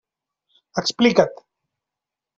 Explica't.